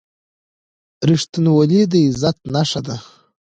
• رښتینولي د عزت نښه ده.